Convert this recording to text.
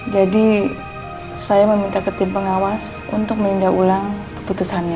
jadi saya meminta ke tim pengawas untuk menindak ulang keputusannya